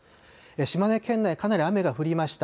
島根県内かなり雨が降りました。